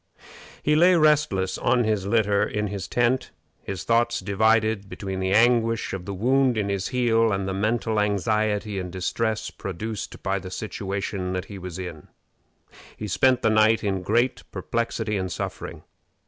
He lay restless on his litter in his tent, his thoughts divided between the anguish of the wound in his heel and the mental anxiety and distress produced by the situation that he was in. He spent the night in great perplexity and suffering.